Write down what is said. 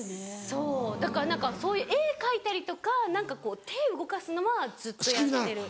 そうだからそういう絵描いたりとか手動かすのはずっとやってる。